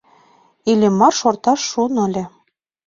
Иллимар шорташ шуын ыле.